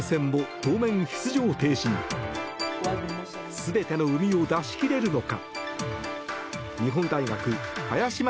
全てのうみを出し切れるのか。